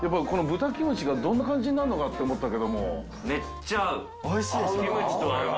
豚キムチがどんな感じになるのかなって思ったけれど、めっちゃ合う！